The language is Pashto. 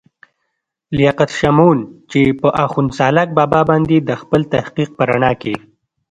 لياقت شمعون، چې پۀ اخون سالاک بابا باندې دَخپل تحقيق پۀ رڼا کښې